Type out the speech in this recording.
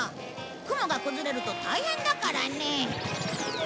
雲が崩れると大変だからね。